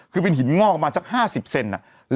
คือเป็นหินงอกมาประมาณสัก๕๐เซนติเมตร